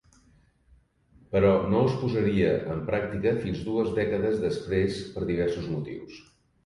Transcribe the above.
Però no es posaria en pràctica fins dues dècades després per diversos motius.